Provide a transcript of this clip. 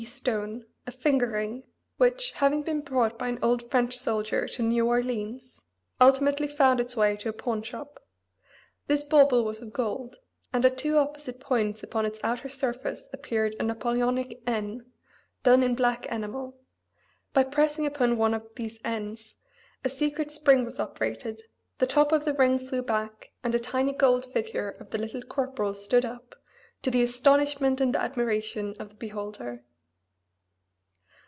Stone a finger ring, which, having been brought by an old French soldier to New Orleans, ultimately found its way to a pawn shop. This bauble was of gold, and at two opposite points upon its outer surface appeared a Napoleonic "N," done in black enamel: by pressing upon one of these Ns a secret spring was operated, the top of the ring flew back, and a tiny gold figure of the Little Corporal stood up, to the astonishment and admiration of the beholder.